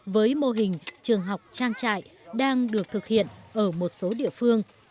với mô hình trường học trang trại đang được thực hiện ở một số địa phương